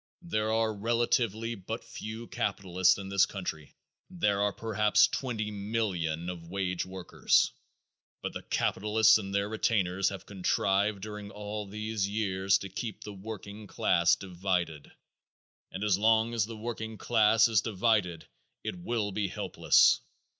There are relatively but few capitalists in this country; there are perhaps twenty millions of wage workers, but the capitalists and their retainers have contrived during all these years to keep the working class divided, and as long as the working class is divided it will be helpless.